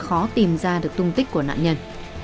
khó tìm ra được tung tích của nạn nhân